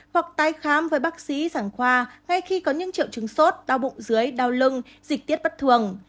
hoặc tái khám với bác sĩ sản khoa ngay khi có những triệu chứng sốt đau bụng dưới đau lưng dịch tiết bất thường